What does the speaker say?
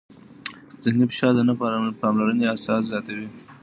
ذهني فشار د نه پاملرنې احساس زیاتوي.